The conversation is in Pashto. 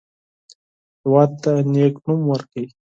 هېواد ته نیک نوم ورکړئ